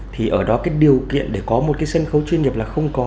thì ở đó cái điều kiện để có một cái sân khấu chuyên nghiệp là không có